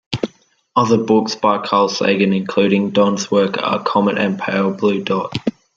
Other books by Carl Sagan including Don's work are "Comet" and "Pale Blue Dot".